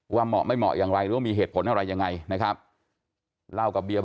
ค่ะว่าเหมาะไม่เหมาะอย่างไรหรือว่ามีเหตุผลอะไรอย่างไรนะครับ